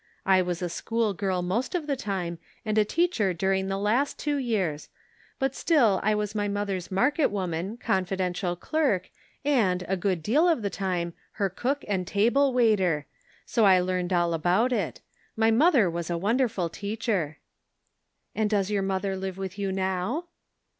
I was a school girl most of the time, and a teacher during the last two years; but still I was my mother's market woman, confi dential clerk, and, a good deal of the time, her cook and table waiter ; so I learned all about it. My mother was a wonderful teacher." " And does your mother live with you now